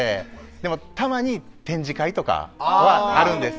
でもたまに展示会とかはあるんです。